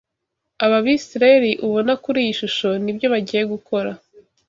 Aba Bisirayeli ubona kuri iyi shusho, ni byo bagiye gukora